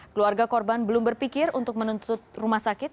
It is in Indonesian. keluarga korban belum berpikir untuk menuntut rumah sakit